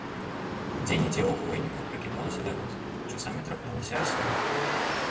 Дзе-нідзе ў хвойніку пракідалася бяроза, часамі траплялася асіна.